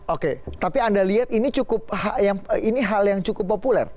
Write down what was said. oke tapi anda lihat ini cukup hal yang cukup populer